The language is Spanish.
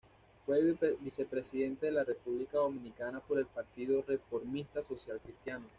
Fue vicepresidente de la República Dominicana por el Partido Reformista Social Cristiano.